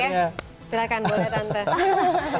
oke silakan boleh tante